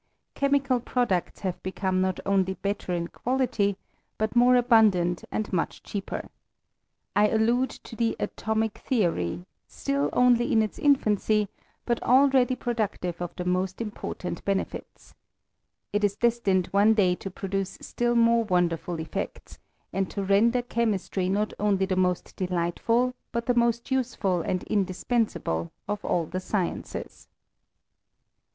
Chemical pro ducts have become not only better in quality, but more abundant and much cheaper. I idlude to the atomic theory still only in its infancy, but already productive of the most important benefits. It is destined one day to produce still more wonderful effects, and to render chemistry not only the most delightful, but the most useful and indispensable, of all the sciences.